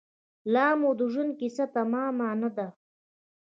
لامو د ژوند کیسه تمامه نه ده